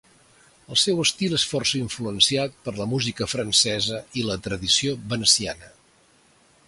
El seu estil és força influenciat per la música francesa i la tradició veneciana.